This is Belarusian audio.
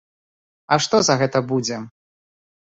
А што за гэта будзе?